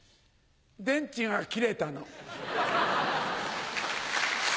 電池が切れたの。